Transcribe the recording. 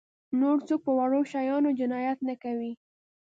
نور څوک په وړو شیانو جنایت نه کوي.